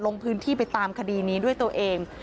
ลงพื้นที่ไปตามคดีนี้ด้วยตัวเอง